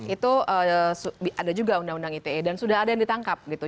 itu ada juga undang undang ite dan sudah ada yang ditangkap gitu